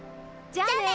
じゃあね。